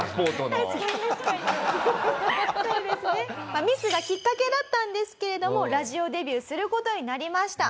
まあミスがきっかけだったんですけれどもラジオデビューする事になりました。